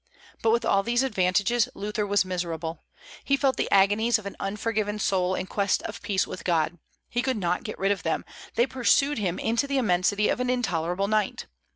But with all these advantages Luther was miserable. He felt the agonies of an unforgiven soul in quest of peace with God; he could not get rid of them, they pursued him into the immensity of an intolerable night.